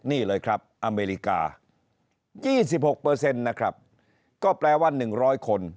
นี่เลยครับอเมริกา๒๖นะครับก็แปลว่า๑๐๐คน